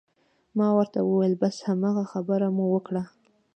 ما ورته وویل: بس هماغه خبره مو وکړه.